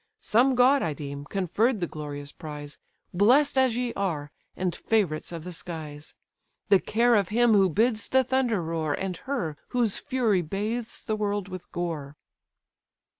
Some god, I deem, conferred the glorious prize, Bless'd as ye are, and favourites of the skies; The care of him who bids the thunder roar, And her, whose fury bathes the world with gore."